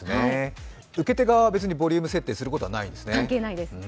受け手側は別にボリューム設定することはないんですね。